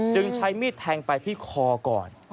จึงใช้มีดแทงไปที่คอก่อน